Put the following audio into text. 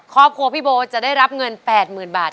ครอบครัวพี่โบจะได้รับเงิน๘๐๐๐บาท